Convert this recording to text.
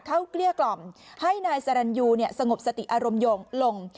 เข้าเกลี้ยกล่อมให้นายสรรันยูเนี่ยสงบสติอารมยงลง